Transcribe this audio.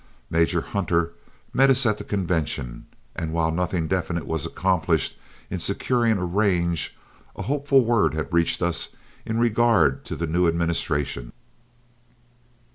Major Hunter met us at the convention, and while nothing definite was accomplished in securing a range, a hopeful word had reached us in regard to the new administration.